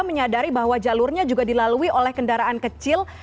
menyadari bahwa jalurnya juga dilalui oleh kendaraan kecil